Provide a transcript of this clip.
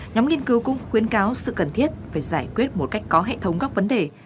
nhóm nghiên cứu cũng khuyến cáo sự cần thiết phải giải quyết một cách có hệ thống góc vấn đề